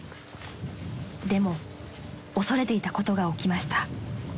［でも恐れていたことが起きました］